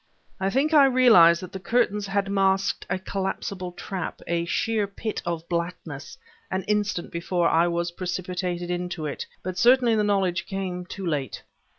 I think I realized that the curtains had masked a collapsible trap, a sheer pit of blackness, an instant before I was precipitated into it, but certainly the knowledge came too late.